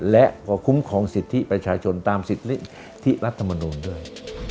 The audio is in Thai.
และพอคุ้มครองสิทธิประชาชนตามสิทธิรัฐมนูลด้วย